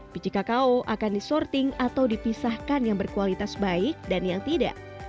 biji kakao akan disorting atau dipisahkan yang berkualitas baik dan yang tidak